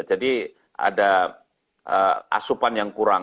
jadi ada asupan yang kurang